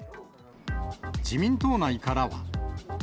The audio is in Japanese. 自民党内からは。